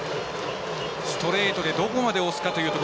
ストレートでどこまで押すか。